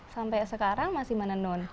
sampai sekarang masih menanun